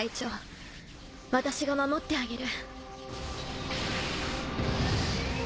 眥私が守ってあげる。